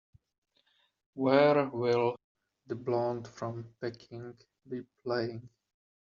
Where will The Blonde from Peking be playing